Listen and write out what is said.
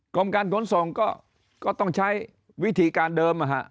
กรมการขนส่งก็ต้องใช้วิธีการเดิม